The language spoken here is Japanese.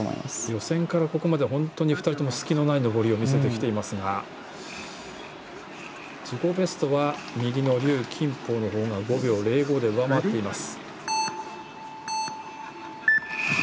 予選から、ここまでは本当に２人とも隙のない登りを見せてきていますが自己ベストは右の龍金宝の方が５秒０５で上回っています。